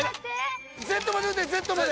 Ｚまで打てＺまで。